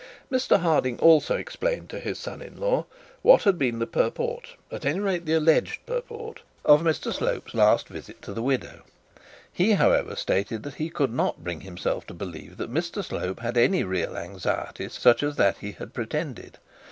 Mr Harding also explained to his son in law what had been the purport, at any rate the alleged purport, of Mr Slope's last visit to the widow. He, however, stated that he could not bring himself to believe that Mr Slope had any real anxiety such as that he had pretended.